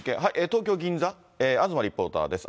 東京・銀座、東リポーターです。